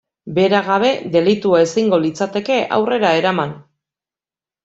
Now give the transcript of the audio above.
Bera gabe, delitua ezingo litzateke aurrera eraman.